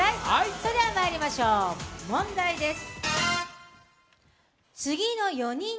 それではまいりましょう、問題です。